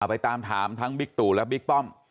ไปตามถามทั้งบิ๊กตู่และบิ๊กป้อม